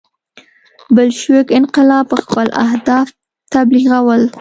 بلشویک انقلاب خپل اهداف تبلیغول.